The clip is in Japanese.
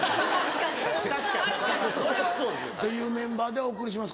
・確かに・それはそうですよ。というメンバーでお送りします